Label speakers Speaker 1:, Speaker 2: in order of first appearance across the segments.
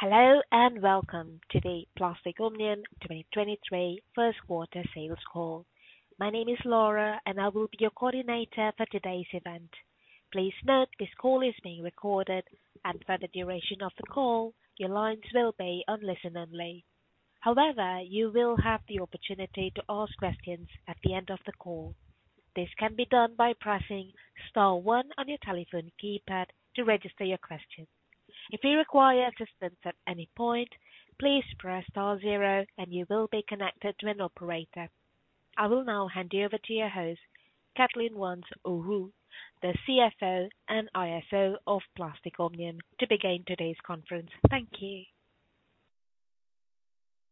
Speaker 1: Hello, and welcome to the Plastic Omnium 2023 first quarter sales call. My name is Laura, and I will be your coordinator for today's event. Please note this call is being recorded, and for the duration of the call, your lines will be on listen-only. However, you will have the opportunity to ask questions at the end of the call. This can be done by pressing star one on your telephone keypad to register your question. If you require assistance at any point, please press star 0 and you will be connected to an operator. I will now hand you over to your host, Kathleen Wantz-O'Rourke, the CFO and ISO of Plastic Omnium, to begin today's conference. Thank you.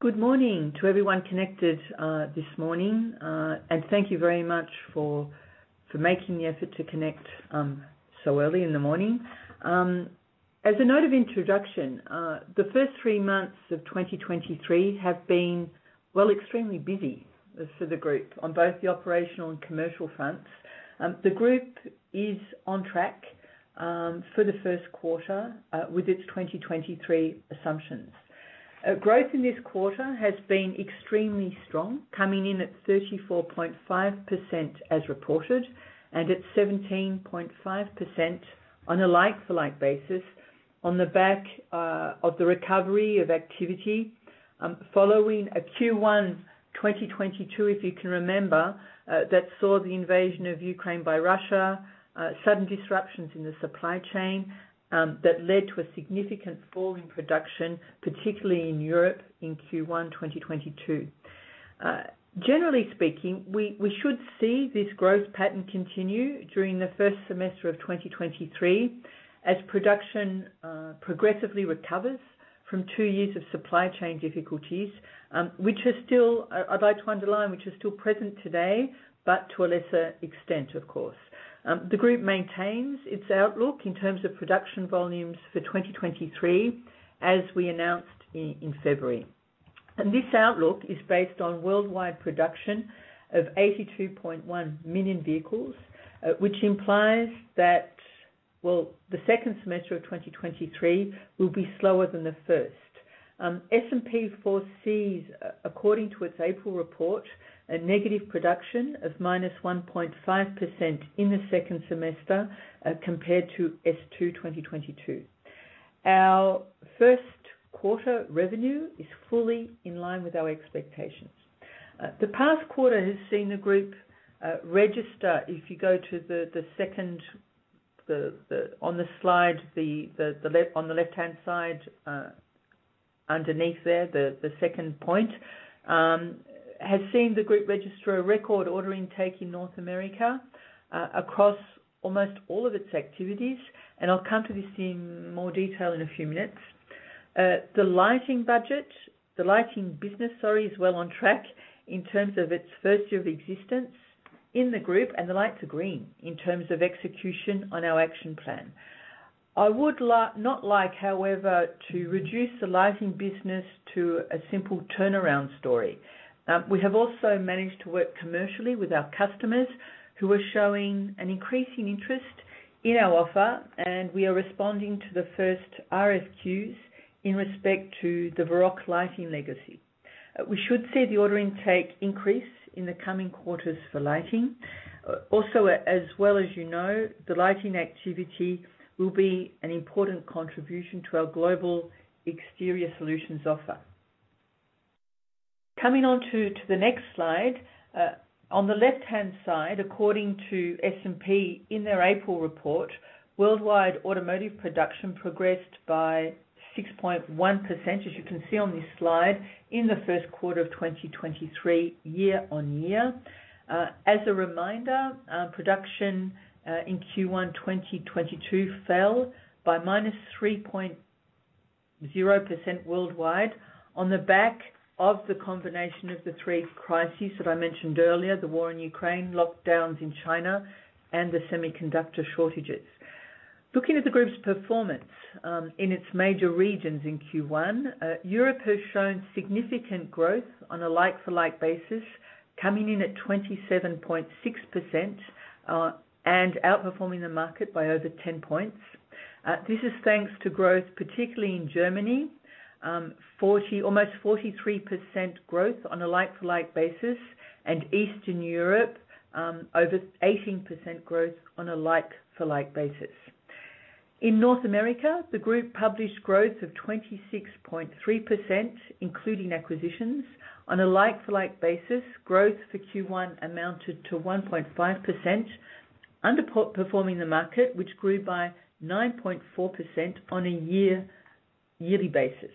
Speaker 2: Good morning to everyone connected this morning. Thank you very much for making the effort to connect so early in the morning. As a note of introduction, the first three months of 2023 have been, well, extremely busy for the group on both the operational and commercial fronts. The group is on track for the first quarter with its 2023 assumptions. Growth in this quarter has been extremely strong, coming in at 34.5% as reported, and at 17.5% on a like-for-like basis on the back of the recovery of activity following a Q1 2022, if you can remember, that saw the invasion of Ukraine by Russia, sudden disruptions in the supply chain that led to a significant fall in production, particularly in Europe in Q1 2022. Generally speaking, we should see this growth pattern continue during the first semester of 2023 as production progressively recovers from two years of supply chain difficulties, which are still present today, but to a lesser extent, of course. The group maintains its outlook in terms of production volumes for 2023, as we announced in February. This outlook is based on worldwide production of 82.1 million vehicles, which implies that the second semester of 2023 will be slower than the first. S&P foresees, according to its April report, a negative production of -1.5% in the second semester, compared to S2 2022. Our first quarter revenue is fully in line with our expectations. The past quarter has seen the group register... If you go to the second on the slide, the left-hand side, underneath there, the second point has seen the group register a record order intake in North America across almost all of its activities. I'll come to this in more detail in a few minutes. The lighting budget, the lighting business, sorry, is well on track in terms of its first year of existence in the group. The lights are green in terms of execution on our action plan. I would not like, however, to reduce the lighting business to a simple turnaround story. We have also managed to work commercially with our customers who are showing an increasing interest in our offer. We are responding to the first RFQs in respect to the Varroc lighting legacy. We should see the order intake increase in the coming quarters for lighting. Also, as well as you know, the lighting activity will be an important contribution to our global exterior solutions offer. Coming on to the next slide. On the left-hand side, according to S&P in their April report, worldwide automotive production progressed by 6.1%, as you can see on this slide, in the first quarter of 2023 year-on-year. As a reminder, production in Q1 2022 fell by -3.0% worldwide on the back of the combination of the three crises that I mentioned earlier, the war in Ukraine, lockdowns in China, and the semiconductor shortages. Looking at the group's performance, in its major regions in Q1, Europe has shown significant growth on a like-for-like basis, coming in at 27.6%, and outperforming the market by over 10 points. This is thanks to growth, particularly in Germany, almost 43% growth on a like-for-like basis, and Eastern Europe, over 18% growth on a like-for-like basis. In North America, the group published growth of 26.3%, including acquisitions. On a like-for-like basis, growth for Q1 amounted to 1.5%, underperforming the market, which grew by 9.4% on a yearly basis.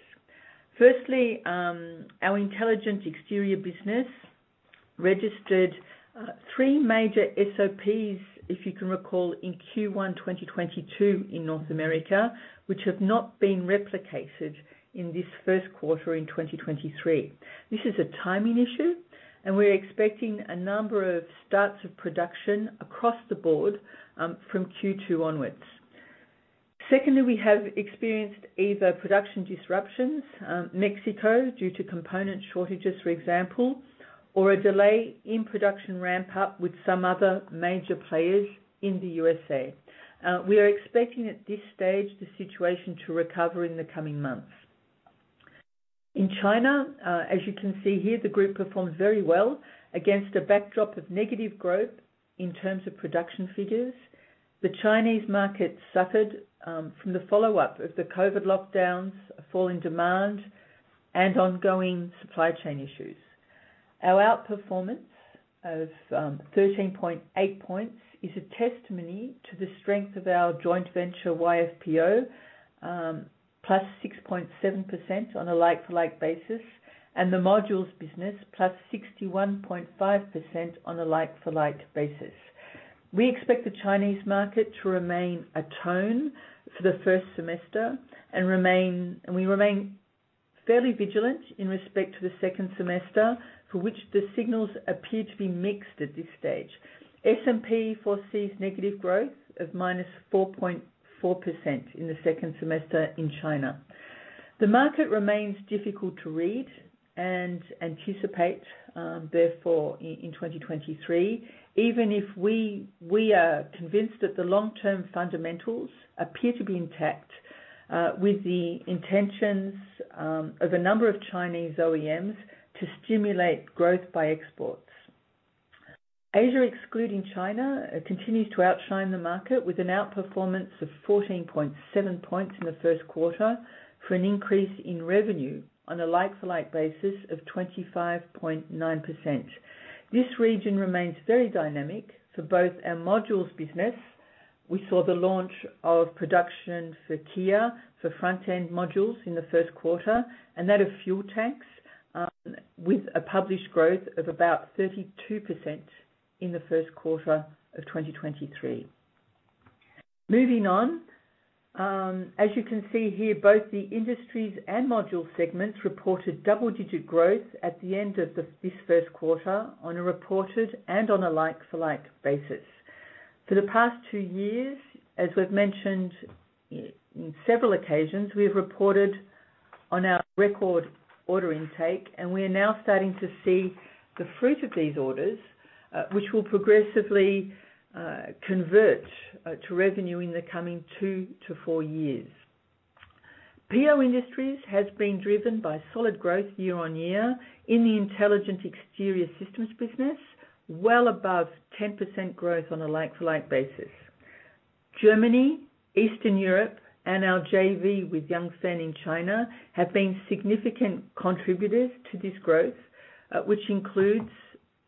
Speaker 2: Firstly, our Intelligent Exterior business registered three major SOPs, if you can recall, in Q1 2022 in North America, which have not been replicated in this first quarter in 2023. This is a timing issue, and we're expecting a number of starts of production across the board from Q2 onwards. Secondly, we have experienced EVA production disruptions, Mexico, due to component shortages, for example. A delay in production ramp up with some other major players in the U.S.A. We are expecting at this stage the situation to recover in the coming months. In China, as you can see here, the group performs very well against a backdrop of negative growth in terms of production figures. The Chinese market suffered from the follow-up of the COVID lockdowns, a fall in demand, and ongoing supply chain issues. Our outperformance of, 13.8 points is a testimony to the strength of our joint venture, YFPO, +6.7% on a like-for-like basis, and the Modules business +61.5% on a like-for-like basis. We expect the Chinese market to remain a tone for the first semester and We remain fairly vigilant in respect to the second semester, for which the signals appear to be mixed at this stage. SMP foresees negative growth of -4.4% in the second semester in China. The market remains difficult to read and anticipate, therefore in 2023, even if we are convinced that the long-term fundamentals appear to be intact, with the intentions of a number of Chinese OEMs to stimulate growth by exports. Asia, excluding China, continues to outshine the market with an outperformance of 14.7 points in the first quarter for an increase in revenue on a like-for-like basis of 25.9%. This region remains very dynamic for both our Modules business. We saw the launch of production for Kia, for front-end modules in the first quarter, and that of fuel tanks, with a published growth of about 32% in the first quarter of 2023. Moving on, as you can see here, both the industries and Modules segments reported double-digit growth at the end of this first quarter on a reported and on a like-for-like basis. For the past two years, as we've mentioned in several occasions, we have reported on our record order intake, and we are now starting to see the fruit of these orders, which will progressively convert to revenue in the coming two to four years. PO Industries has been driven by solid growth year-on-year in the Intelligent Exterior Systems business, well above 10% growth on a like-for-like basis. Germany, Eastern Europe and our JV with Yanfeng in China have been significant contributors to this growth, which includes,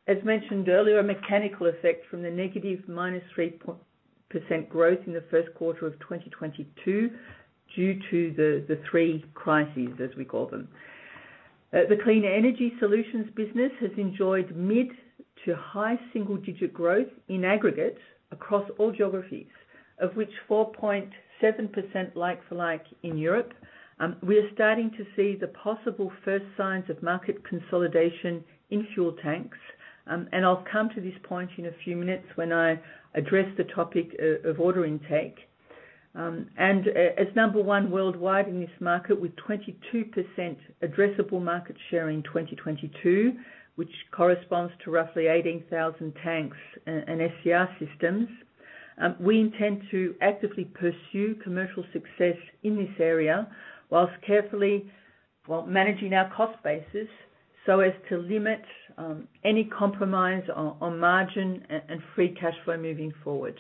Speaker 2: as mentioned earlier, a mechanical effect from the -3% growth in the first quarter of 2022 due to the three crises, as we call them. The Clean Energy Systems business has enjoyed mid-to-high single-digit growth in aggregate across all geographies, of which 4.7% like-for-like in Europe. We are starting to see the possible first signs of market consolidation in fuel tanks. I'll come to this point in a few minutes when I address the topic of order intake. As number one worldwide in this market with 22% addressable market share in 2022, which corresponds to roughly 18,000 tanks and SCR systems. We intend to actively pursue commercial success in this area while carefully, well, managing our cost basis so as to limit any compromise on margin and free cash flow moving forward.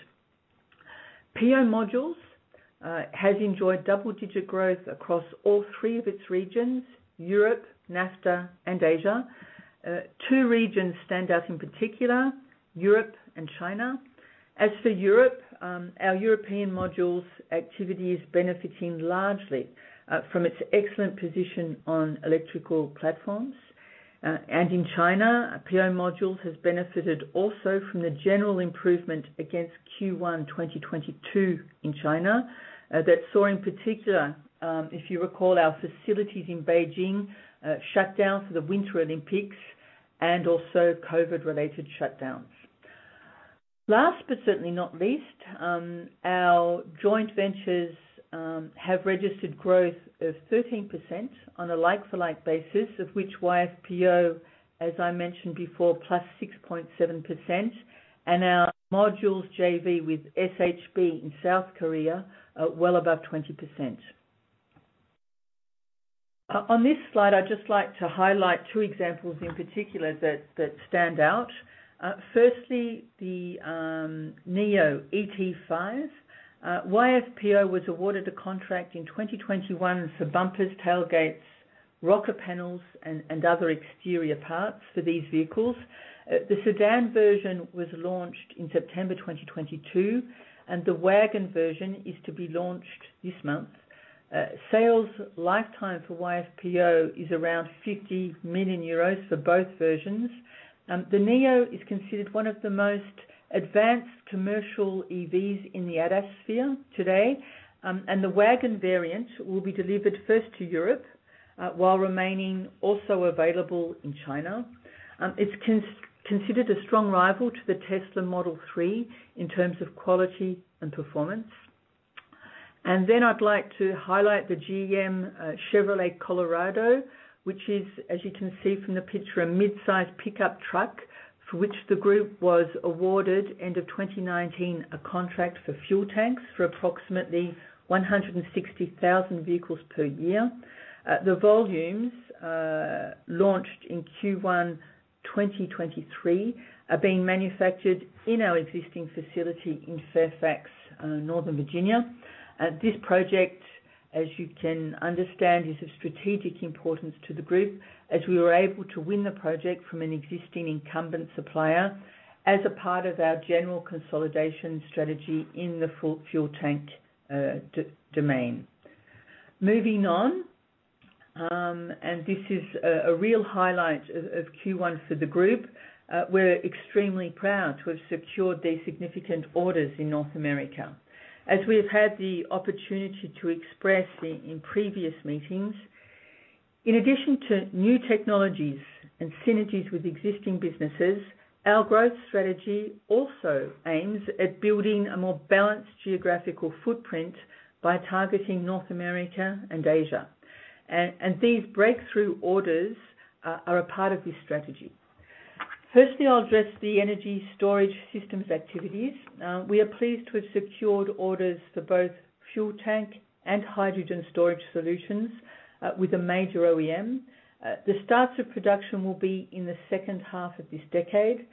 Speaker 2: PO Modules has enjoyed double-digit growth across all three of its regions, Europe, NAFTA and Asia. Two regions stand out, in particular, Europe and China. As for Europe, our European modules activity is benefiting largely from its excellent position on electrical platforms. In China, PO Modules has benefited also from the general improvement against Q1 2022 in two that saw in particular, if you recall, our facilities in Beijing shut down for the Winter Olympics and also COVID related shutdowns. Last, but certainly not least, our joint ventures have registered growth of 13% on a like-for-like basis, of which YFPO, as I mentioned before, +6.7%, and our modules JV with SHB in South Korea, well above 20%. On this slide, I'd just like to highlight two examples in particular that stand out. Firstly, the NIO ET5. YFPO was awarded a contract in 2021 for bumpers, tailgates, rocker panels and other exterior parts for these vehicles. The sedan version was launched in September 2022, and the wagon version is to be launched this month. Sales lifetime for YFPO is around 50 million euros for both versions. The NIO is considered one of the most advanced commercial EVs in the ADAS sphere today, and the wagon variant will be delivered first to Europe, while remaining also available in China. It's considered a strong rival to the Tesla Model 3 in terms of quality and performance. I'd like to highlight the GM Chevrolet Colorado, which is, as you can see from the picture, a mid-size pickup truck for which the group was awarded end of 2019 a contract for fuel tanks for approximately 160,000 vehicles per year. The volumes launched in Q1 2023 are being manufactured in our existing facility in Fairfax, Northern Virginia. This project, as you can understand, is of strategic importance to the group as we were able to win the project from an existing incumbent supplier as a part of our general consolidation strategy in the fuel tank domain. Moving on, this is a real highlight of Q1 for the group. We're extremely proud to have secured these significant orders in North America. As we have had the opportunity to express in previous meetings, in addition to new technologies and synergies with existing businesses, our growth strategy also aims at building a more balanced geographical footprint by targeting North America and Asia. These breakthrough orders are a part of this strategy. Firstly, I'll address the energy storage systems activities. We are pleased to have secured orders for both fuel tank and hydrogen storage solutions with a major OEM. The start of production will be in the second half of this decade.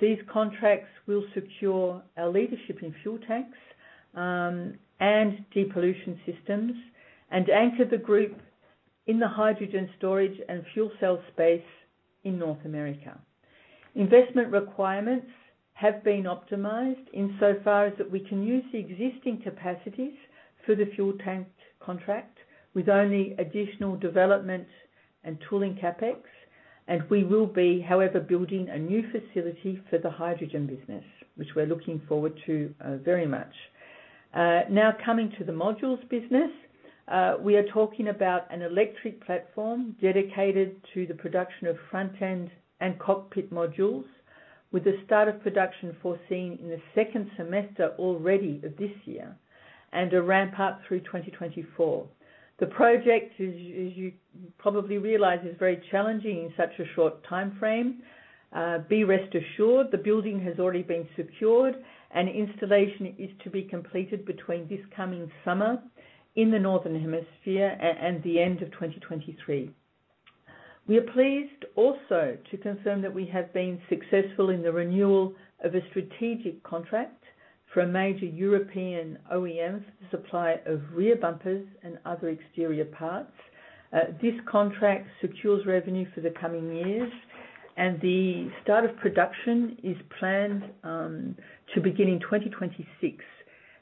Speaker 2: These contracts will secure our leadership in fuel tanks and depollution systems and anchor the group in the hydrogen storage and fuel cell space in North America. Investment requirements have been optimized in so far as that we can use the existing capacities for the fuel tank contract with only additional development and tooling CapEx. We will be, however, building a new facility for the hydrogen business, which we're looking forward to very much. Now coming to the Modules business, we are talking about an electric platform dedicated to the production of front-end and cockpit modules with the start of production foreseen in the second semester already of this year, and a ramp up through 2024. The project as you probably realize, is very challenging in such a short timeframe. Be rest assured the building has already been secured and installation is to be completed between this coming summer in the northern hemisphere and the end of 2023. We are pleased also to confirm that we have been successful in the renewal of a strategic contract for a major European OEM supply of rear bumpers and other exterior parts. This contract secures revenue for the coming years and the start of production is planned to begin in 2026.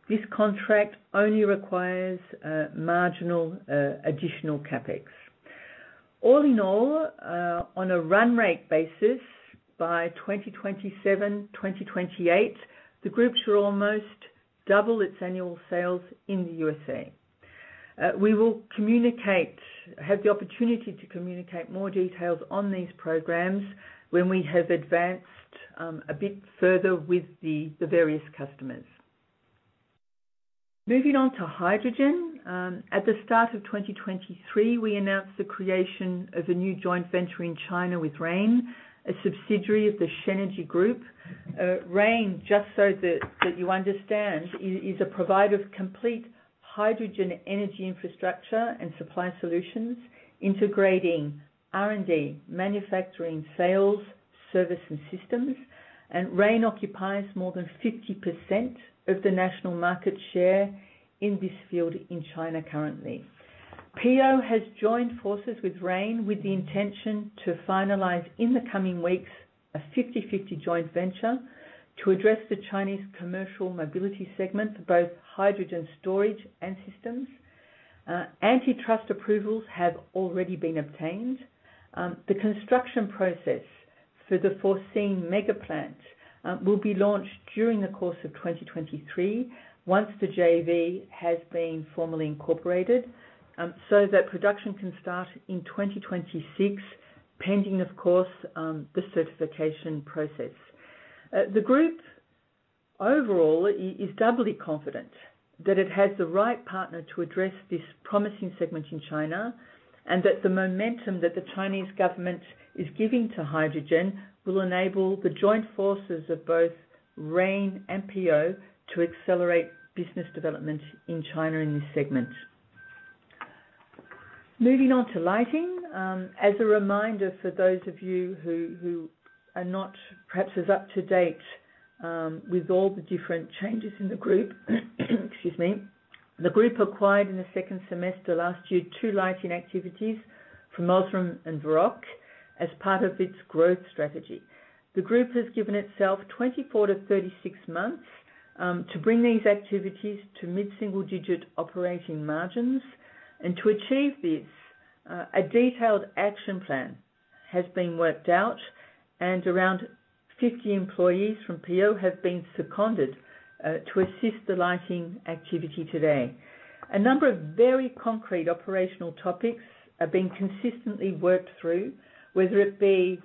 Speaker 2: This contract only requires marginal additional CapEx. All in all, on a run rate basis by 2027-2028, the group should almost double its annual sales in the U.S.A. We have the opportunity to communicate more details on these programs when we have advanced a bit further with the various customers. Moving on to hydrogen. At the start of 2023, we announced the creation of a new joint venture in China with Rein, a subsidiary of the Shenergy Group. Rein, just so that you understand, is a provider of complete hydrogen energy infrastructure and supply solutions integrating R&D, manufacturing, sales, service and systems. Rein occupies more than 50% of the national market share in this field in China currently. PO has joined forces with Rein with the intention to finalize, in the coming weeks, a 50/50 joint venture to address the Chinese commercial mobility segment for both hydrogen storage and systems. Antitrust approvals have already been obtained. The construction process for the foreseen mega plant will be launched during the course of 2023 once the JV has been formally incorporated, so that production can start in 2026, pending of course, the certification process. The group overall is doubly confident that it has the right partner to address this promising segment in China, and that the momentum that the Chinese government is giving to hydrogen will enable the joint forces of both Rein and PO to accelerate business development in China in this segment. Moving on to lighting. As a reminder for those of you who are not perhaps as up to date with all the different changes in the group, excuse me. The group acquired in the second semester last year, two lighting activities from Osram and Varroc as part of its growth strategy. The group has given itself 24 to 36 months to bring these activities to mid-single digit operating margins. To achieve this, a detailed action plan has been worked out and around 50 employees from PO have been seconded to assist the lighting activity today. A number of very concrete operational topics are being consistently worked through, whether it be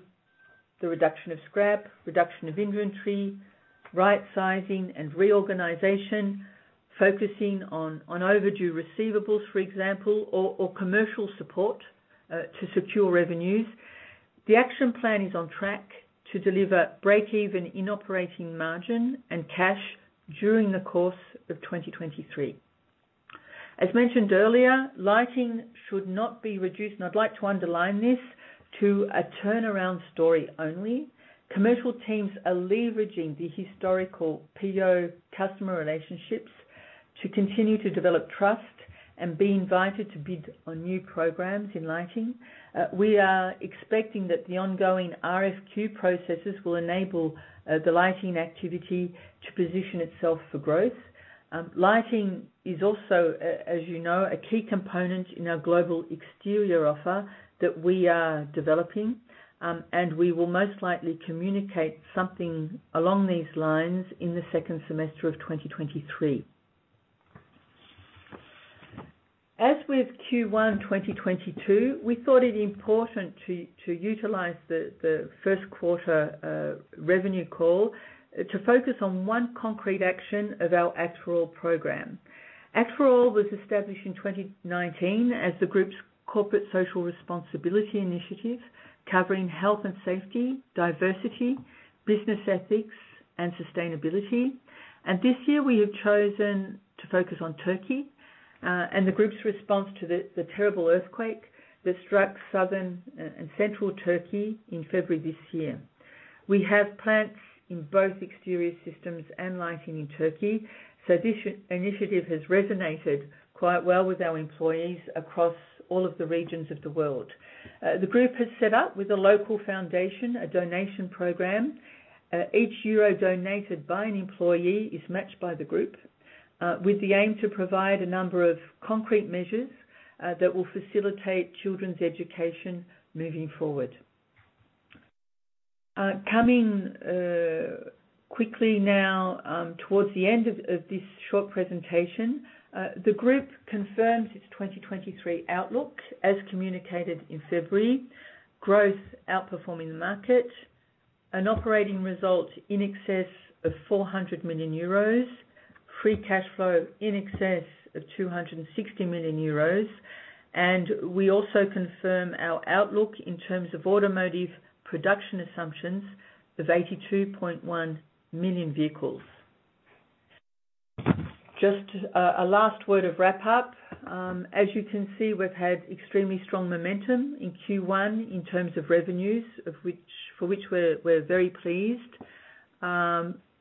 Speaker 2: the reduction of scrap, reduction of inventory, right sizing and reorganization, focusing on overdue receivables, for example, or commercial support to secure revenues. The action plan is on track to deliver break-even in operating margin and cash during the course of 2023. As mentioned earlier, lighting should not be reduced, and I'd like to underline this, to a turnaround story only. Commercial teams are leveraging the historical PO customer relationships to continue to develop trust and be invited to bid on new programs in lighting. We are expecting that the ongoing RFQ processes will enable the lighting activity to position itself for growth. Lighting is also as you know, a key component in our global exterior offer that we are developing. We will most likely communicate something along these lines in the second semester of 2023. As with Q1 2022, we thought it important to utilize the first quarter revenue call to focus on one concrete action of our Act for All program. Act for All was established in 2019 as the group's corporate social responsibility initiative covering health and safety, diversity, business ethics, and sustainability. This year, we have chosen to focus on Turkey and the group's response to the terrible earthquake that struck southern and central Turkey in February this year. We have plants in both exterior systems and lighting in Turkey, this initiative has resonated quite well with our employees across all of the regions of the world. The group has set up with a local foundation, a donation program. Each EUR donated by an employee is matched by the group, with the aim to provide a number of concrete measures that will facilitate children's education moving forward. Coming quickly now towards the end of this short presentation, the group confirms its 2023 outlook as communicated in February. Growth outperforming the market, an operating result in excess of 400 million euros, free cash flow in excess of 260 million euros. We also confirm our outlook in terms of automotive production assumptions of 82.1 million vehicles. Just a last word of wrap up. As you can see, we've had extremely strong momentum in Q1 in terms of revenues, for which we're very pleased.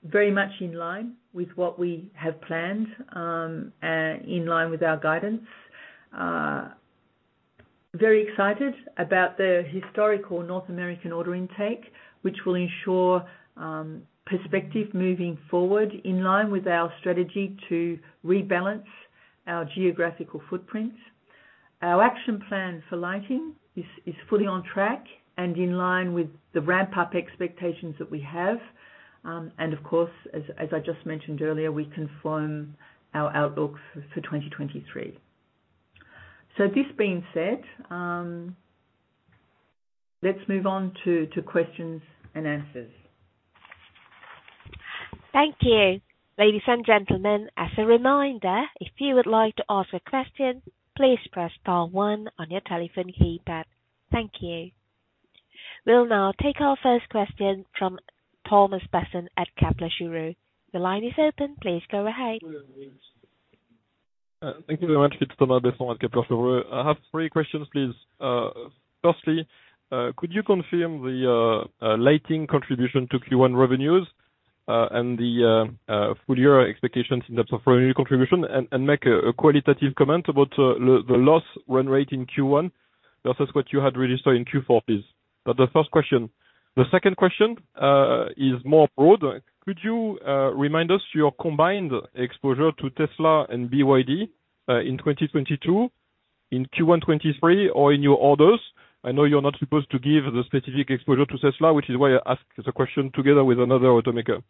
Speaker 2: Very much in line with what we have planned, in line with our guidance. Very excited about the historical North American order intake, which will ensure perspective moving forward in line with our strategy to rebalance our geographical footprint. Our action plan for lighting is fully on track in line with the ramp-up expectations that we have. Of course, as I just mentioned earlier, we confirm our outlook for 2023. This being said, let's move on to questions and answers.
Speaker 1: Thank you. Ladies and gentlemen, as a reminder, if you would like to ask a question, please press star one on your telephone keypad. Thank you. We'll now take our first question from Thomas Besson at Kepler Cheuvreux. The line is open. Please go ahead.
Speaker 3: Thank you very much. It's Thomas Besson at Kepler Cheuvreux. I have three questions, please. Firstly, could you confirm the lighting contribution to Q1 revenues and the full year expectations in terms of revenue contribution and make a qualitative comment about the loss run rate in Q1 versus what you had registered in Q4, please? That's the first question. The second question is more broad. Could you remind us your combined exposure to Tesla and BYD in 2022, in Q1 2023 or in your orders? I know you're not supposed to give the specific exposure to Tesla, which is why I ask the question together with another automaker.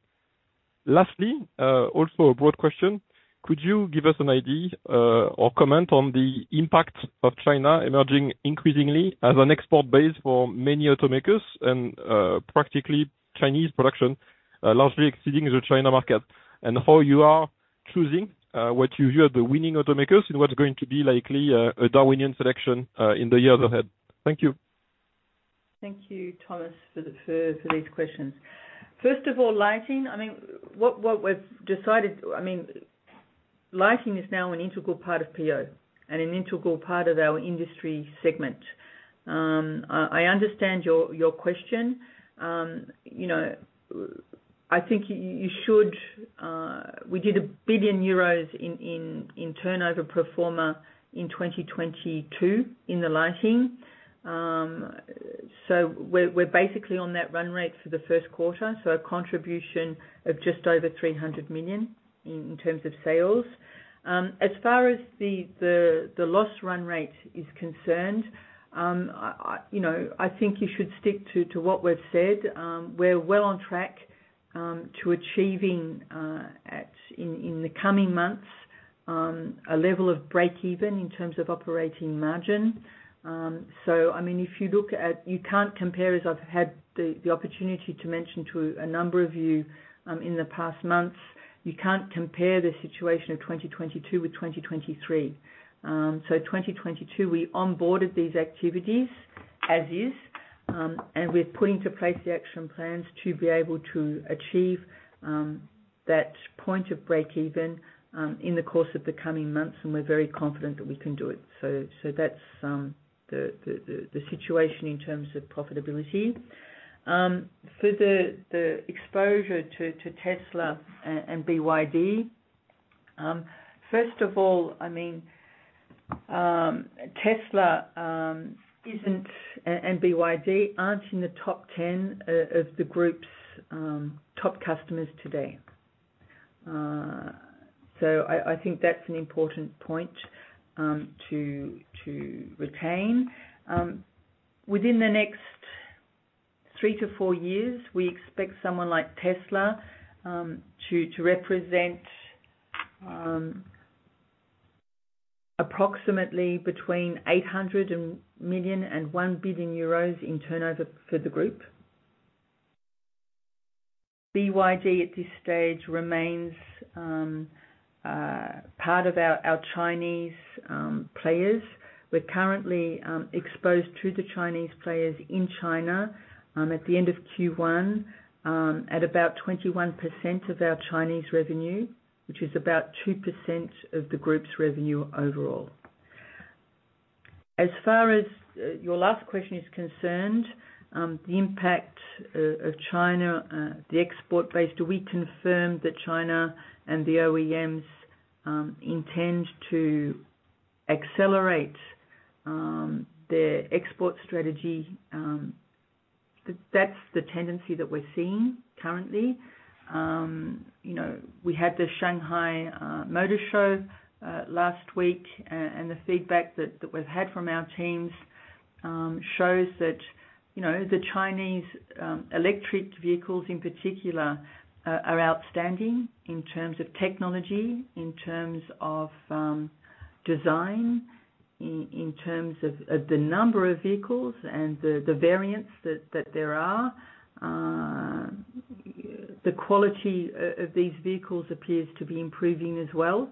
Speaker 3: Lastly, also a broad question, could you give us an idea, or comment on the impact of China emerging increasingly as an export base for many automakers and, practically Chinese production, largely exceeding the China market? How you are choosing, what you view are the winning automakers in what's going to be likely, a Darwinian selection, in the years ahead. Thank you.
Speaker 2: Thank you, Thomas, for these questions. First of all, lighting, I mean, what we've decided. I mean, lighting is now an integral part of PO and an integral part of our industry segment. I understand your question. You know, I think you should We did 1 billion euros in turnover pro forma in 2022 in the lighting. We're basically on that run rate for the first quarter, so a contribution of just over 300 million in terms of sales. As far as the loss run rate is concerned, I, you know, I think you should stick to what we've said. We're well on track to achieving in the coming months, a level of breakeven in terms of operating margin. If you look at... You can't compare, as I've had the opportunity to mention to a number of you, in the past months, you can't compare the situation of 2022 with 2023. 2022, we onboarded these activities as is, and we're putting to place the action plans to be able to achieve that point of breakeven in the course of the coming months, and we're very confident that we can do it. That's the situation in terms of profitability. For the exposure to Tesla and BYD, first of all, I mean, Tesla isn't, and BYD aren't in the top 10 of the group's top customers today. I think that's an important point to retain. Within the next three to four years, we expect someone like Tesla to represent approximately between 800 million and 1 billion euros in turnover for the group. BYD at this stage remains part of our Chinese players. We're currently exposed to the Chinese players in China at the end of Q1 at about 21% of our Chinese revenue, which is about 2% of the group's revenue overall. As far as your last question is concerned, the impact of China, the export base, do we confirm that China and the OEMs intend to accelerate their export strategy? That's the tendency that we're seeing currently. You know, we had the Shanghai Motor Show last week, and the feedback that we've had from our teams shows that, you know, the Chinese electric vehicles in particular are outstanding in terms of technology, in terms of design, in terms of the number of vehicles and the variants that there are. The quality of these vehicles appears to be improving as well,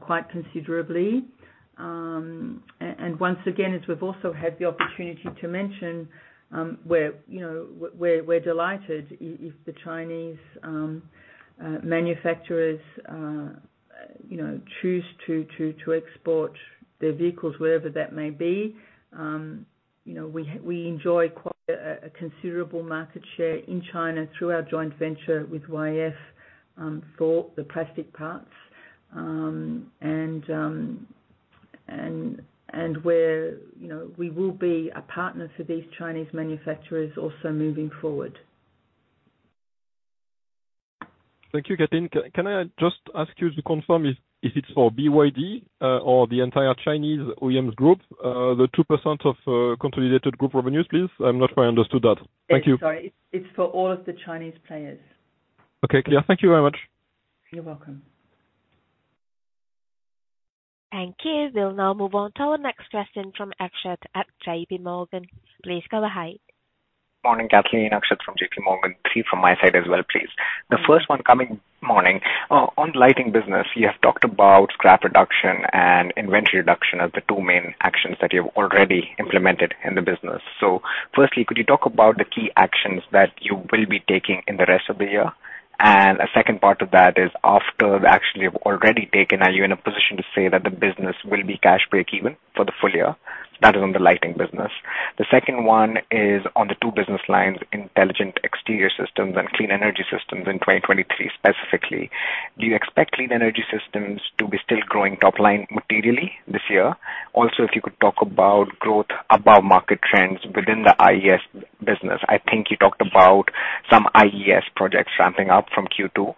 Speaker 2: quite considerably. Once again, as we've also had the opportunity to mention, we're delighted if the Chinese manufacturers, you know, choose to export their vehicles wherever that may be. You know, we enjoy quite a considerable market share in China through our joint venture with YF for the plastic parts. We're, you know, we will be a partner for these Chinese manufacturers also moving forward.
Speaker 3: Thank you, Kathleen. Can I just ask you to confirm if it's for BYD or the entire Chinese OEMs group, the 2% of consolidated group revenues, please? I'm not sure I understood that. Thank you.
Speaker 2: Sorry. It's for all of the Chinese players.
Speaker 3: Okay, clear. Thank you very much.
Speaker 2: You're welcome.
Speaker 1: Thank you. We'll now move on to our next question from Akshat at JP Morgan. Please go ahead.
Speaker 4: Morning, Kathleen. Akshat from JPMorgan. Three from my side as well, please. The first one on lighting business, you have talked about scrap reduction and inventory reduction as the two main actions that you've already implemented in the business. Firstly, could you talk about the key actions that you will be taking in the rest of the year? A second part to that is after the action you've already taken, are you in a position to say that the business will be cash breakeven for the full year? That is on the lighting business. The second one is on the two business lines, Intelligent Exterior Systems and Clean Energy Systems in 2023 specifically. Do you expect Clean Energy Systems to be still growing top-line materially this year? Also, if you could talk about growth above market trends within the IES business. I think you talked about some IES projects ramping up from Q2.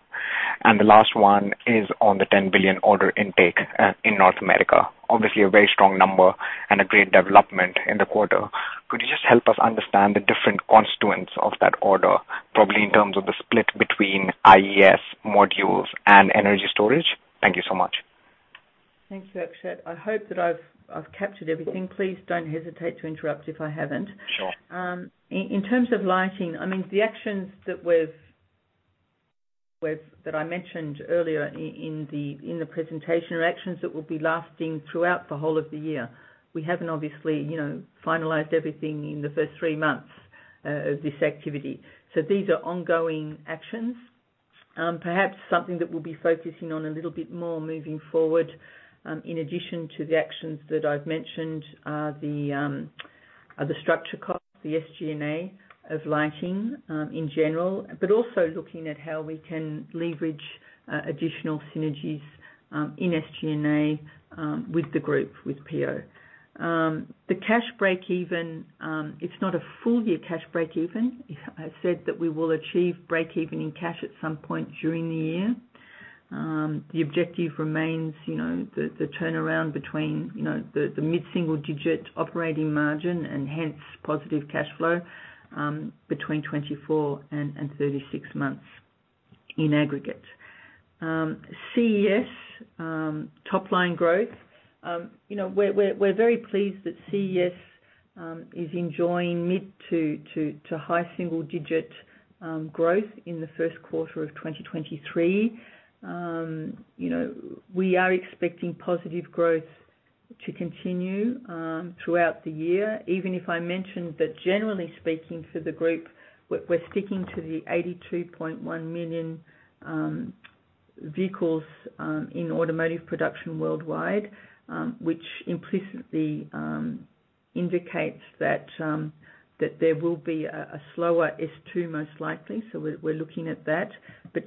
Speaker 4: The last one is on the 10 billion order intake in North America. Obviously a very strong number and a great development in the quarter. Could you just help us understand the different constituents of that order, probably in terms of the split between IES Modules and energy storage? Thank you so much.
Speaker 2: Thanks, Akshat. I hope that I've captured everything. Please don't hesitate to interrupt if I haven't.
Speaker 4: Sure.
Speaker 2: In terms of lighting, I mean, the actions that we've that I mentioned earlier in the, in the presentation are actions that will be lasting throughout the whole of the year. We haven't obviously, you know, finalized everything in the first three months of this activity. These are ongoing actions. Perhaps something that we'll be focusing on a little bit more moving forward, in addition to the actions that I've mentioned are the structure costs, the SG&A of lighting, in general, but also looking at how we can leverage additional synergies in SG&A with the group, with PO. The cash breakeven, it's not a full year cash breakeven. I said that we will achieve breakeven in cash at some point during the year. The objective remains, you know, the turnaround between, you know, the mid-single digit operating margin and hence positive cash flow, between 24 and 36 months. In aggregate. CES top line growth, you know, we're very pleased that CES is enjoying mid to high single digit growth in the first quarter of 2023. You know, we are expecting positive growth to continue throughout the year. Even if I mentioned that generally speaking for the group, we're sticking to the 82.1 million vehicles in automotive production worldwide, which implicitly indicates that there will be a slower S2 most likely. We're looking at that.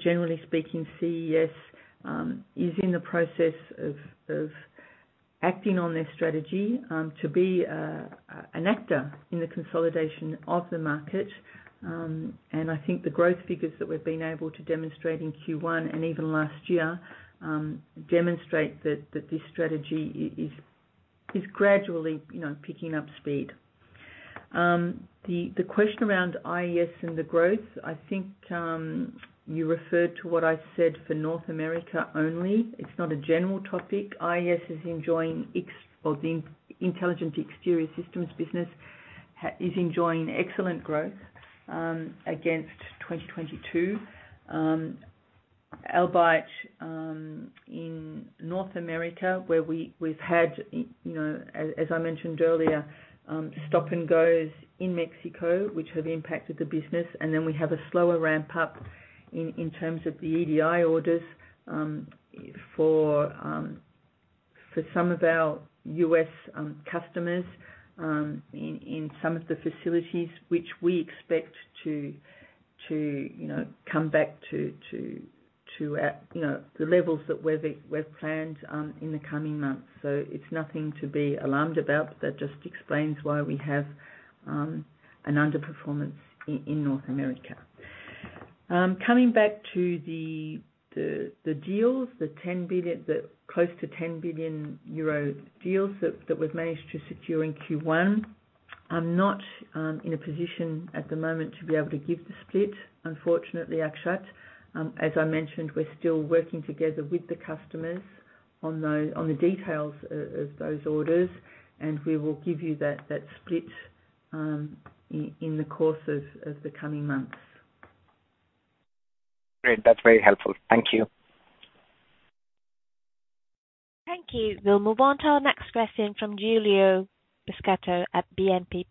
Speaker 2: Generally speaking, CES is in the process of acting on their strategy to be an actor in the consolidation of the market. I think the growth figures that we've been able to demonstrate in Q1 and even last year demonstrate that this strategy is gradually, you know, picking up speed. The question around IES and the growth, I think, you referred to what I said for North America only. It's not a general topic. IES, or the Intelligent Exterior Systems business, is enjoying excellent growth against 2022. Albeit, in North America, where we've had, you know, as I mentioned earlier, stop and goes in Mexico, which have impacted the business. Then we have a slower ramp up in terms of the EDI orders, for some of our U.S. customers, in some of the facilities which we expect to the levels that we've planned in the coming months. It's nothing to be alarmed about, but that just explains why we have an underperformance in North America. Coming back to the deals, the 10 billion EUR, the close to 10 billion euro deals that we've managed to secure in Q1. I'm not in a position at the moment to be able to give the split, unfortunately, Akshat. As I mentioned, we're still working together with the customers on the details of those orders, and we will give you that split in the course of the coming months.
Speaker 4: Great. That's very helpful. Thank you.
Speaker 1: Thank you. We'll move on to our next question from Giulio Pescatore at BNP.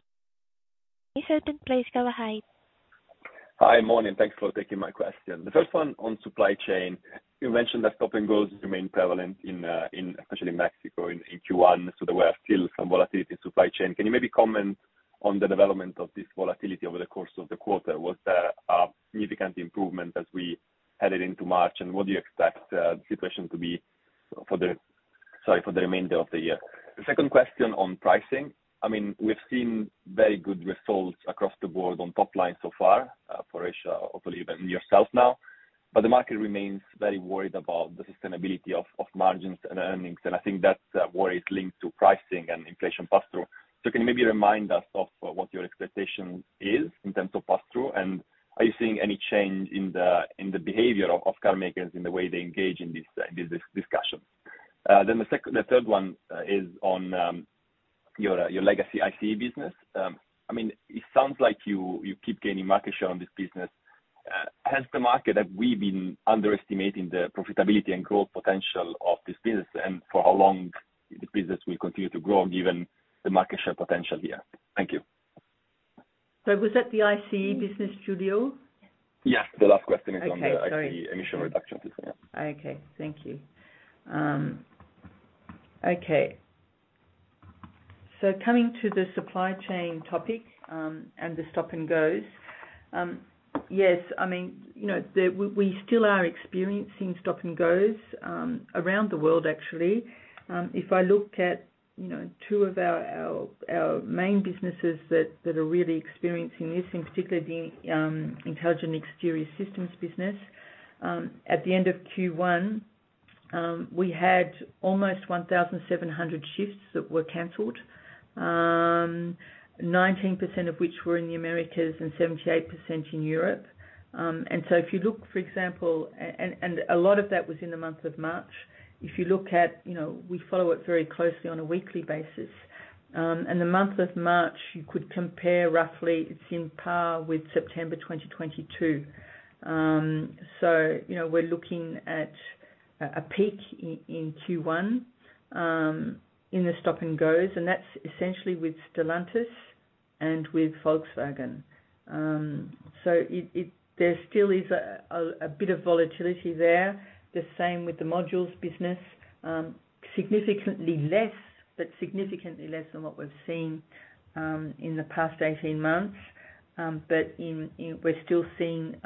Speaker 1: Line is open please go ahead.
Speaker 5: Hi. Morning. Thanks for taking my question. The first one on supply chain. You mentioned that stop and goes remain prevalent in especially Mexico in Q1, so there were still some volatility in supply chain. Can you maybe comment on the development of this volatility over the course of the quarter? Was there a significant improvement as we headed into March? What do you expect the situation to be for the remainder of the year? The second question on pricing. I mean, we've seen very good results across the board on top line so far, for Asia, hopefully even in yourself now, but the market remains very worried about the sustainability of margins and earnings, and I think that's worries linked to pricing and inflation pass-through. Can you maybe remind us of what your expectation is in terms of pass-through, and are you seeing any change in the behavior of car makers in the way they engage in this discussion? The third one is on your legacy ICE business. I mean, it sounds like you keep gaining market share on this business. Have we been underestimating the profitability and growth potential of this business? For how long the business will continue to grow given the market share potential here? Thank you.
Speaker 2: Was that the ICE business, Giulio?
Speaker 5: Yes. The last question is on.
Speaker 2: Okay. Sorry.
Speaker 5: ICE emission reduction business.
Speaker 2: Okay. Thank you. Okay. Coming to the supply chain topic, and the stop and goes. Yes. I mean, you know, We still are experiencing stop and goes around the world actually. If I look at, you know, two of our main businesses that are really experiencing this, in particular the Intelligent Exterior Systems business. At the end of Q1, we had almost 1,700 shifts that were canceled. 19% of which were in the Americas and 78% in Europe. If you look, for example, and a lot of that was in the month of March. If you look at, you know, we follow it very closely on a weekly basis. The month of March, you could compare roughly it's in par with September 2022. you know, we're looking a peak in Q1, in the stop and goes, and that's essentially with Stellantis and with Volkswagen. There still is a bit of volatility there. The same with the Modules business, significantly less, but significantly less than what we've seen in the past 18 months. We're still seeing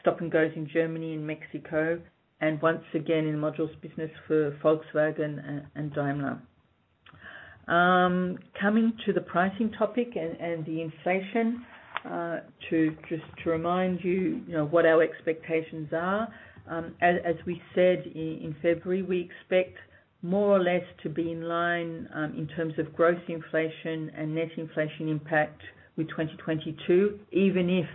Speaker 2: stop and goes in Germany and Mexico, and once again in Modules business for Volkswagen and Daimler. Coming to the pricing topic and the inflation, to just to remind you know, what our expectations are. As we said in February, we expect more or less to be in line, in terms of growth inflation and net inflation impact with 2022, even if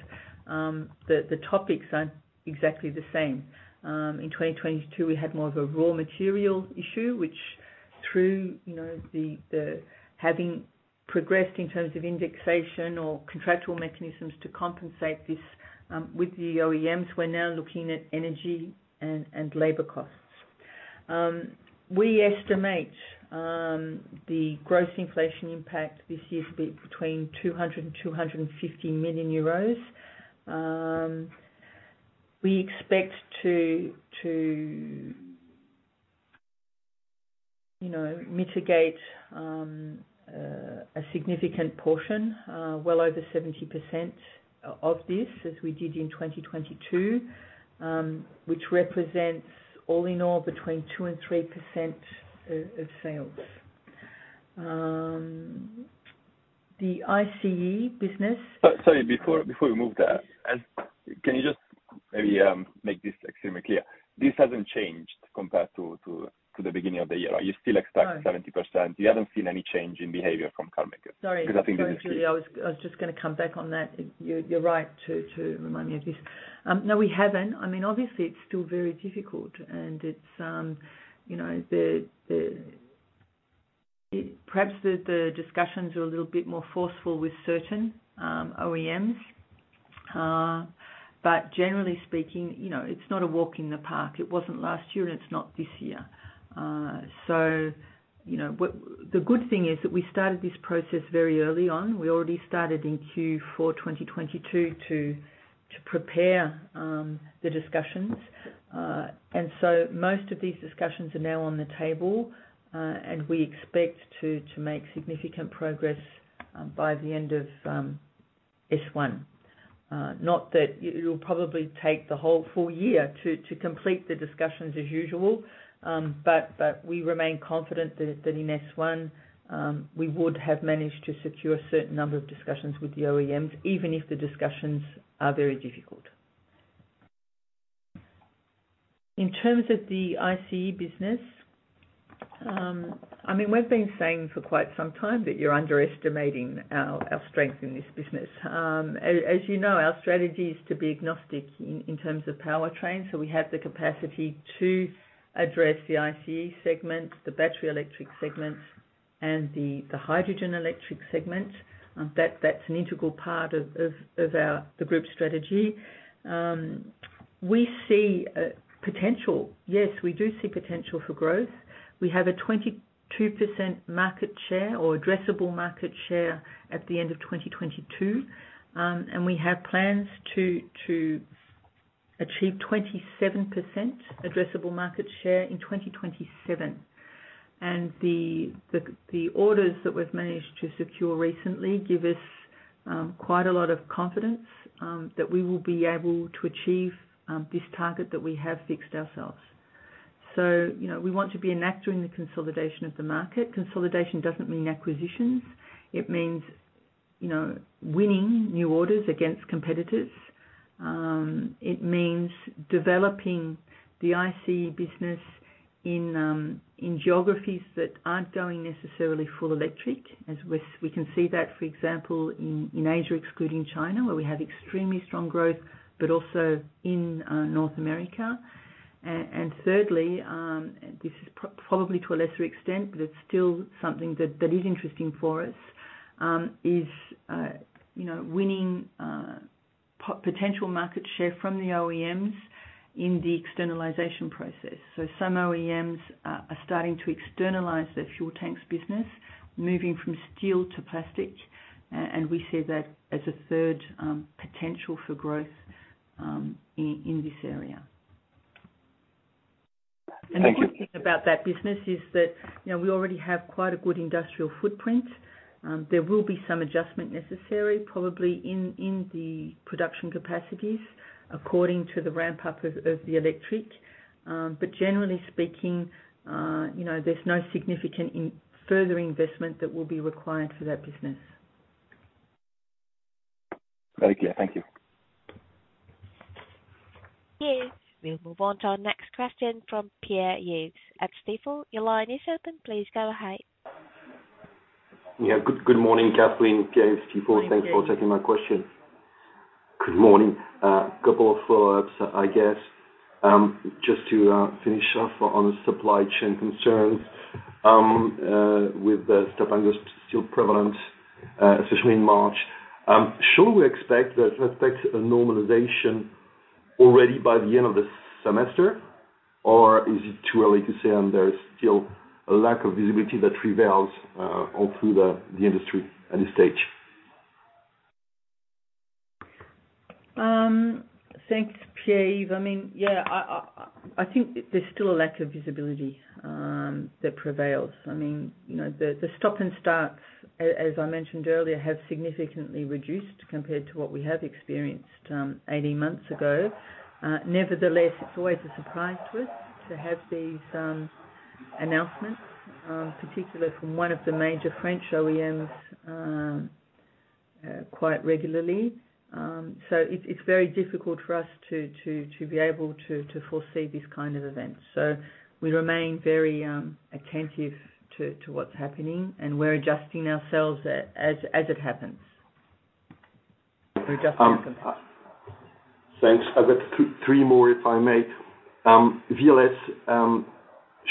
Speaker 2: the topics aren't exactly the same. In 2022 we had more of a raw material issue, Through, you know, the having progressed in terms of indexation or contractual mechanisms to compensate this, with the OEMs, we're now looking at energy and labor costs. We estimate the gross inflation impact this year to be between 200 million euros and 250 million euros. We expect to, you know, mitigate a significant portion, well over 70% of this as we did in 2022, which represents all in all between 2% and 3% of sales. The ICE business-
Speaker 5: Sorry, before we move there, Can you just maybe make this extremely clear? This hasn't changed compared to the beginning of the year. You still.
Speaker 2: No
Speaker 5: 70%. You haven't seen any change in behavior from car makers?
Speaker 2: Sorry.
Speaker 5: Because I think there's.
Speaker 2: Sorry, Giulio, I was just gonna come back on that. You're right to remind me of this. No, we haven't. I mean, obviously it's still very difficult and it's, you know, perhaps the discussions are a little bit more forceful with certain OEMs. Generally speaking, you know, it's not a walk in the park. It wasn't last year, and it's not this year. You know, the good thing is that we started this process very early on. We already started in Q4 2022 to prepare the discussions. Most of these discussions are now on the table, we expect to make significant progress by the end of S1. Not that... It will probably take the whole full year to complete the discussions as usual, but we remain confident that in S one we would have managed to secure a certain number of discussions with the OEMs, even if the discussions are very difficult. In terms of the ICE business, I mean, we've been saying for quite some time that you're underestimating our strength in this business. As you know, our strategy is to be agnostic in terms of powertrain, we have the capacity to address the ICE segment, the battery electric segment, and the hydrogen electric segment. That's an integral part of our group strategy. We see a potential. Yes, we do see potential for growth. We have a 22% market share or addressable market share at the end of 2022. We have plans to achieve 27% addressable market share in 2027. The orders that we've managed to secure recently give us quite a lot of confidence that we will be able to achieve this target that we have fixed ourselves. You know, we want to be an actor in the consolidation of the market. Consolidation doesn't mean acquisitions. It means, you know, winning new orders against competitors. It means developing the ICE business in geographies that aren't going necessarily full electric, as we can see that, for example, in Asia, excluding China, where we have extremely strong growth, but also in North America. Thirdly, this is probably to a lesser extent, but it's still something that is interesting for us, is, you know, winning, potential market share from the OEMs in the externalization process. Some OEMs are starting to externalize their fuel tanks business, moving from steel to plastic. We see that as a third, potential for growth, in this area.
Speaker 5: Thank you.
Speaker 2: The good thing about that business is that, you know, we already have quite a good industrial footprint. There will be some adjustment necessary probably in the production capacities according to the ramp-up of the electric. Generally speaking, you know, there's no significant further investment that will be required for that business.
Speaker 5: Very clear. Thank you.
Speaker 1: Yes. We'll move on to our next question from Pierre-Yves Quéméner at Stifel. Your line is open. Please go ahead.
Speaker 6: Yeah. Good morning, Kathleen. Pierre, Stifel.
Speaker 2: Hi, Pierre.
Speaker 6: Thanks for taking my questions. Good morning. Couple of follow-ups, I guess just to finish off on supply chain concerns, with the stop and go still prevalent, especially in March, should we expect a normalization already by the end of the semester? Or is it too early to say, and there is still a lack of visibility that prevails, all through the industry at this stage?
Speaker 2: Thanks, Pierre-Yves Quéméner. I mean, yeah, I, I think there's still a lack of visibility that prevails. I mean, you know, the stop and starts, as I mentioned earlier, have significantly reduced compared to what we have experienced 18 months ago. Nevertheless, it's always a surprise to us to have these announcements, particularly from one of the major French OEMs, quite regularly. It's very difficult for us to be able to foresee these kind of events. We remain very attentive to what's happening, and we're adjusting ourselves as it happens.
Speaker 6: Thanks. I've got three more, if I may. VLS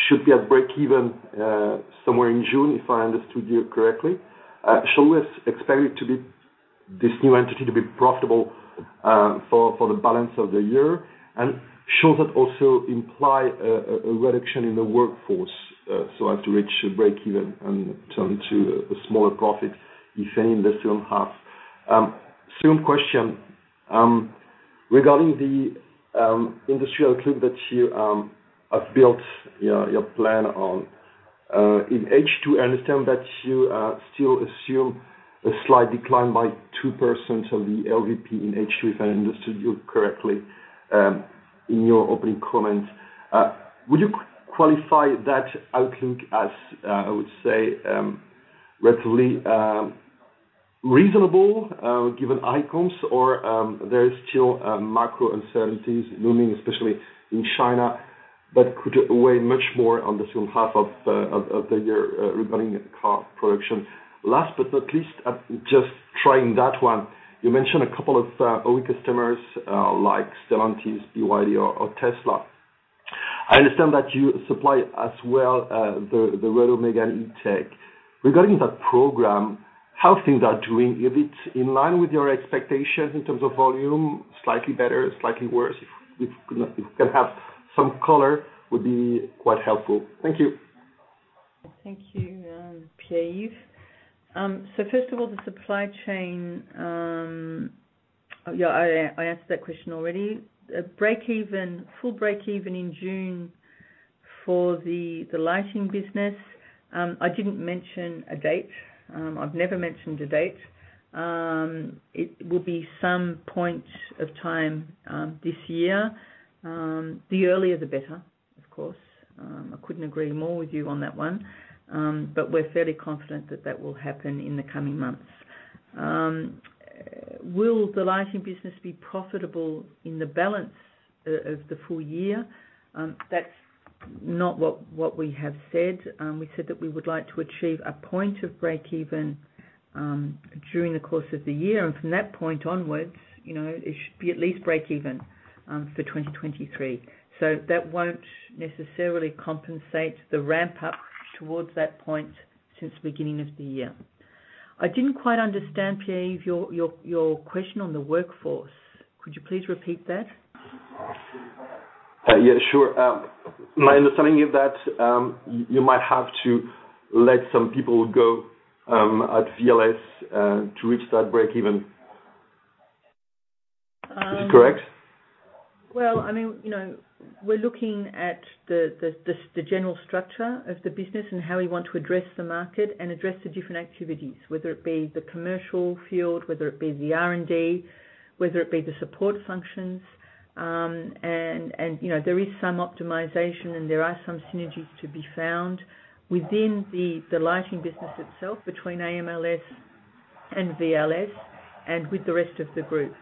Speaker 6: should be at breakeven somewhere in June, if I understood you correctly. Shall we expect this new entity to be profitable for the balance of the year? Should that also imply a reduction in the workforce so as to reach breakeven and turn to a smaller profit you say in the second half? Second question, regarding the industrial clip that you have built your plan on. In H2, I understand that you still assume a slight decline by 2% of the LVP in H2, if I understood you correctly, in your opening comments. Would you qualify that outlook as I would say relatively reasonable given icons or there is still macro uncertainties looming, especially in China, that could weigh much more on the second half of the year regarding car production. Last but not least, I'm just trying that one. You mentioned a couple of OE customers like Stellantis, BYD or Tesla. I understand that you supply as well the Renault Megane E-Tech. Regarding that program, how things are doing? A bit in line with your expectations in terms of volume, slightly better, slightly worse? If we could have some color would be quite helpful. Thank you.
Speaker 2: Thank you, Pierre-Yves. First of all, the supply chain, I answered that question already. Breakeven, full breakeven in June for the lighting business. I didn't mention a date. I've never mentioned a date. It will be some point of time this year. The earlier the better, of course. I couldn't agree more with you on that one. We're fairly confident that that will happen in the coming months. Will the lighting business be profitable in the balance of the full year? That's not what we have said. We said that we would like to achieve a point of breakeven during the course of the year. From that point onwards, you know, it should be at least breakeven for 2023. That won't necessarily compensate the ramp up towards that point since the beginning of the year. I didn't quite understand, Pierre-Yves, your question on the workforce. Could you please repeat that?
Speaker 6: Yeah, sure. My understanding is that, you might have to let some people go, at VLS, to reach that breakeven.
Speaker 2: Um-
Speaker 6: Is it correct?
Speaker 2: Well, I mean, you know, we're looking at the general structure of the business and how we want to address the market and address the different activities, whether it be the commercial field, whether it be the R&D, whether it be the support functions. You know, there is some optimization and there are some synergies to be found within the lighting business itself, between AMLS and VLS and with the rest of the group.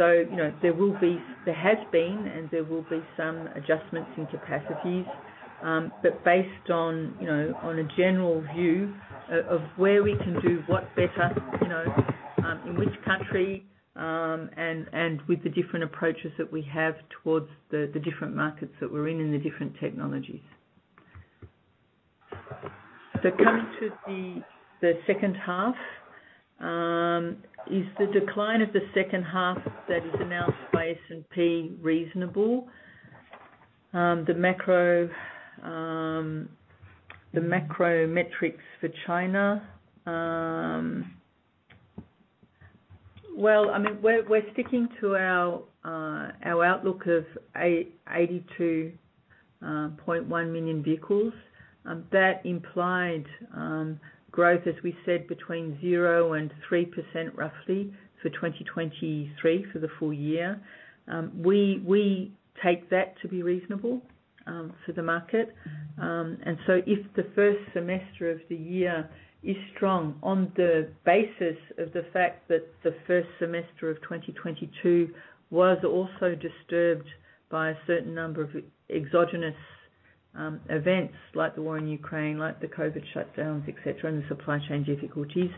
Speaker 2: You know, there has been and there will be some adjustments in capacities, but based on, you know, on a general view of where we can do what better, you know, in which country, with the different approaches that we have towards the different markets that we're in and the different technologies. Coming to the second half, is the decline of the second half that is announced by S&P reasonable? The macro metrics for China... Well, I mean, we're sticking to our outlook of 82.1 million vehicles. That implied growth, as we said, between 0% and 3% roughly for 2023 for the full year. We take that to be reasonable, for the market. If the first semester of the year is strong on the basis of the fact that the first semester of 2022 was also disturbed by a certain number of exogenous events, like the war in Ukraine, like the COVID shutdowns, et cetera, and the supply chain difficulties,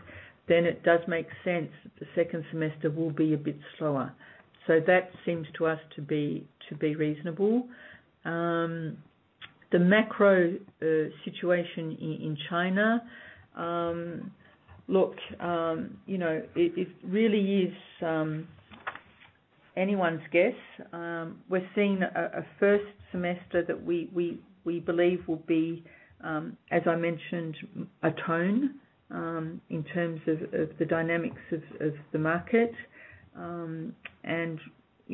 Speaker 2: then it does make sense that the second semester will be a bit slower. That seems to us to be reasonable. The macro situation in China. Look, you know, it really is anyone's guess. We're seeing a first semester that we believe will be as I mentioned, a tone in terms of the dynamics of the market. You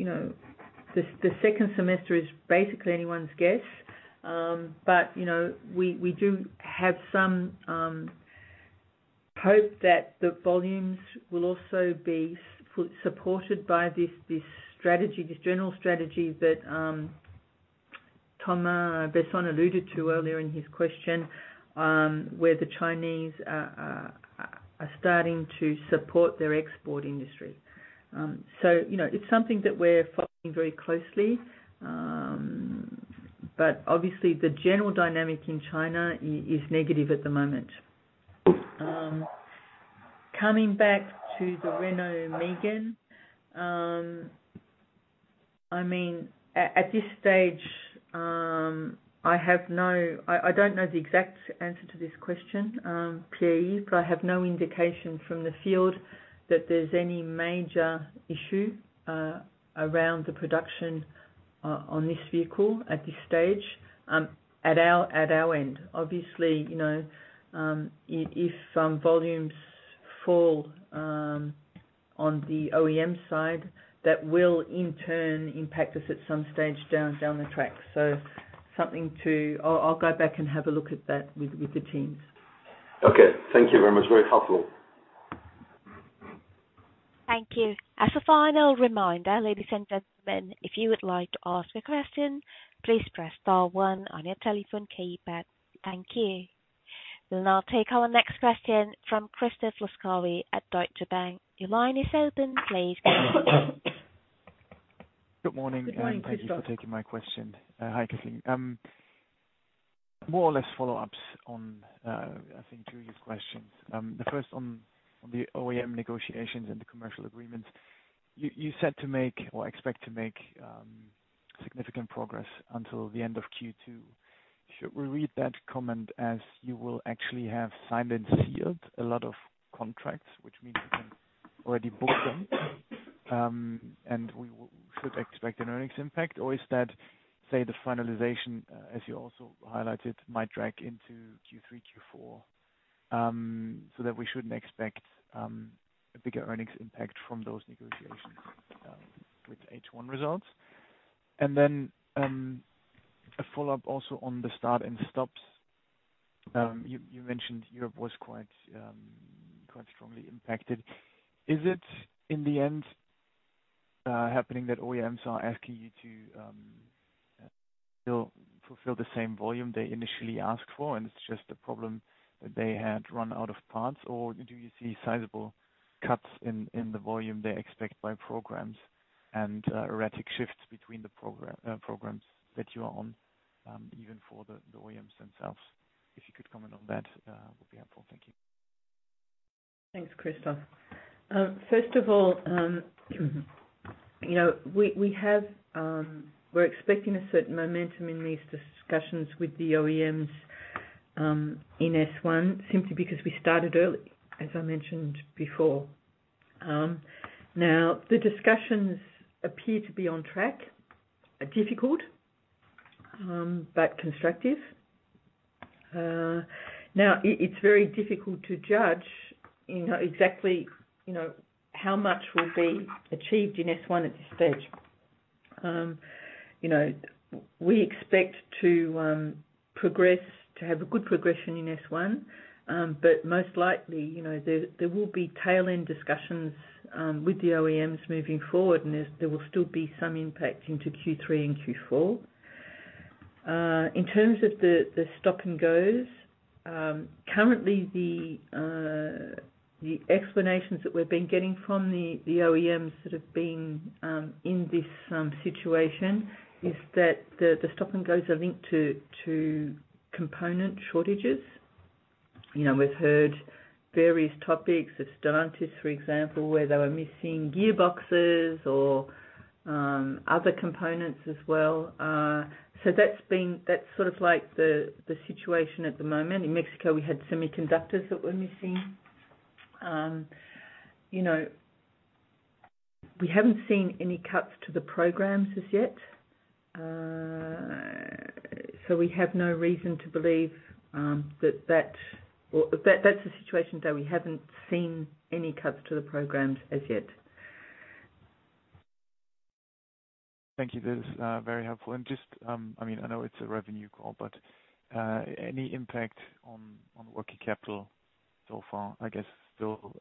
Speaker 2: know, the second semester is basically anyone's guess. You know, we do have some hope that the volumes will also be supported by this strategy, this general strategy that Thomas Besson alluded to earlier in his question, where the Chinese are starting to support their export industry. You know, it's something that we're following very closely. Obviously the general dynamic in China is negative at the moment. Coming back to the Renault Megane, I mean, I don't know the exact answer to this question, Pierre-Yves, but I have no indication from the field that there's any major issue around the production on this vehicle at this stage, at our end. Obviously, you know, if volumes fall on the OEM side, that will in turn impact us at some stage down the track. I'll go back and have a look at that with the teams.
Speaker 6: Okay. Thank you very much. Very helpful.
Speaker 1: Thank you. As a final reminder, ladies and gentlemen, if you would like to ask a question, please press star 1 on your telephone keypad. Thank you. We'll now take our next question from Christoph Laskawi at Deutsche Bank. Your line is open. Please go ahead.
Speaker 7: Good morning.
Speaker 2: Good morning, Christoph.
Speaker 7: Thank you for taking my question. Hi, Kathleen. More or less follow-ups on, I think two of your questions. The first on the OEM negotiations and the commercial agreements. You said to make or expect to make significant progress until the end of Q2. Should we read that comment as you will actually have signed and sealed a lot of contracts, which means you can already book them, and we should expect an earnings impact? Or is that, say, the finalization, as you also highlighted, might drag into Q3, Q4, so that we shouldn't expect a bigger earnings impact from those negotiations with H1 results? A follow-up also on the start and stops. You mentioned Europe was quite strongly impacted. Is it in the end happening that OEMs are asking you to still fulfill the same volume they initially asked for and it's just a problem that they had run out of parts, or do you see sizable cuts in the volume they expect by programs and erratic shifts between the programs that you are on even for the OEMs themselves? If you could comment on that would be helpful. Thank you.
Speaker 2: Thanks, Christoph. First of all, you know, we're expecting a certain momentum in these discussions with the OEMs in S1, simply because we started early, as I mentioned before. Now, the discussions appear to be on track. Difficult, but constructive. Now it's very difficult to judge, you know, exactly, you know, how much will be achieved in S1 at this stage. You know, we expect to progress, to have a good progression in S1. Most likely, you know, there will be tail-end discussions with the OEMs moving forward and there will still be some impact into Q3 and Q4. In terms of the stop and goes, currently the explanations that we've been getting from the OEMs that have been in this situation is that the stop and goes are linked to component shortages. You know, we've heard various topics at Stellantis, for example, where they were missing gearboxes or other components as well. That's sort of like the situation at the moment. In Mexico, we had semiconductors that were missing. You know, we haven't seen any cuts to the programs as yet. We have no reason to believe that's the situation, though. We haven't seen any cuts to the programs as yet.
Speaker 7: Thank you. That is very helpful. Just, I mean, I know it's a revenue call, but any impact on working capital so far? I guess still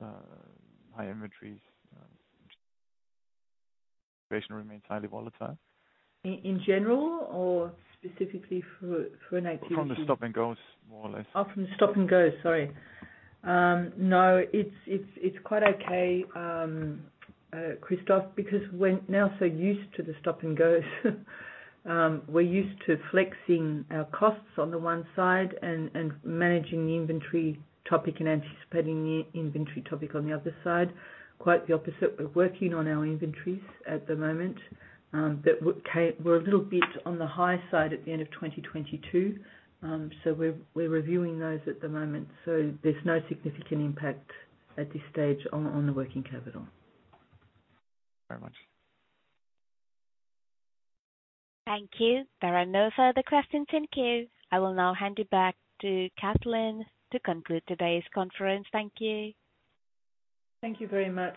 Speaker 7: high inventories.
Speaker 2: In general or specifically for an activity?
Speaker 7: From the stop and goes more or less.
Speaker 2: Oh, from the stop and goes. Sorry. No, it's quite okay, Christoph, because we're now so used to the stop and goes. We're used to flexing our costs on the one side and managing the inventory topic and anticipating the inventory topic on the other side. Quite the opposite. We're working on our inventories at the moment, that were a little bit on the high side at the end of 2022. We're reviewing those at the moment. There's no significant impact at this stage on the working capital.
Speaker 7: Very much.
Speaker 1: Thank you. There are no further questions in queue. I will now hand it back to Kathleen to conclude today's conference. Thank you.
Speaker 2: Thank you very much,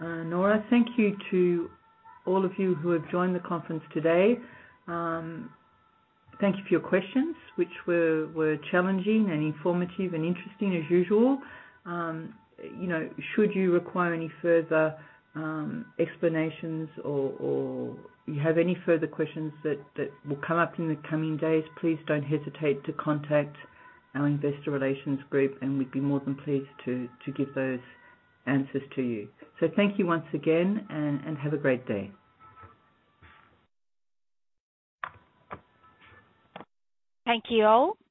Speaker 2: Laura. Thank you to all of you who have joined the conference today. Thank you for your questions, which were challenging and informative and interesting as usual. You know, should you require any further explanations or you have any further questions that will come up in the coming days, please don't hesitate to contact our investor relations group, and we'd be more than pleased to give those answers to you. Thank you once again and have a great day.
Speaker 1: Thank you all.